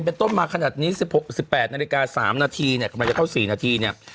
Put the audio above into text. เป็นต้นมาขนาดนี้๑๖๑๘นาฬิกา๓นาทีเนี่ยกำลังจะเข้า๔นาทีเนี่ย